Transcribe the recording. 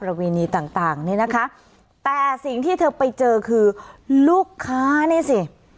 ณีต่างต่างนี่นะคะแต่สิ่งที่เธอไปเจอคือลูกค้านี่สิ